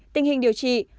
tình hình điều trị